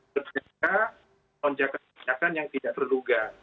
ketika lonjakan lonjakan yang tidak terduga